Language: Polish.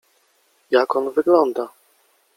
— Jak on wygląda!